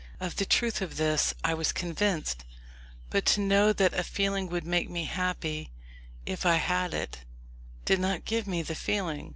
Of the truth of this I was convinced, but to know that a feeling would make me happy if I had it, did not give me the feeling.